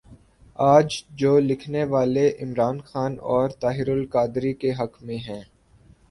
آج جو لکھنے والے عمران خان اور طاہرالقادری کے حق میں ہیں۔